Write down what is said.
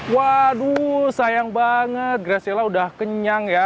waduh sayang banget gracilla udah kenyang ya